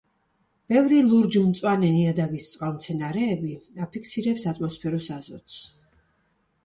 ბევრი ლურჯ-მწვანე ნიადაგის წყალმცენარეები აფიქსირებს ატმოსფეროს აზოტს.